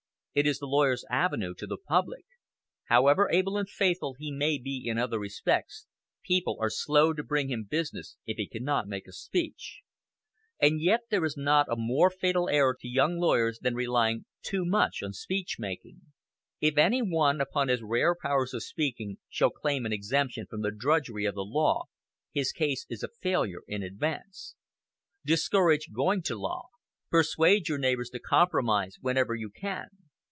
"It is the lawyer's avenue to the public. However able and faithful he may be in other respects, people are slow to bring him business if he cannot make a speech. And yet, there is not a more fatal error to young lawyers than relying too much on speech making. If any one, upon his rare powers of speaking, shall claim an exemption from the drudgery of the law, his case is a failure in advance." Discourage going to law. "Persuade your neighbors to compromise whenever you can.